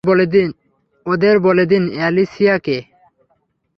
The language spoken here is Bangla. ওদের বলে দিন অ্যালিসিয়া কে।